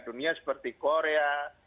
dunia seperti korea